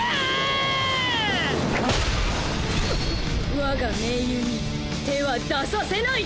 我が盟友に手は出させない！